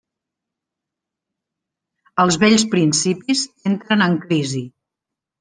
Els vells principis entren en crisi.